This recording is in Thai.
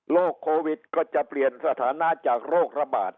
โควิดก็จะเปลี่ยนสถานะจากโรคระบาด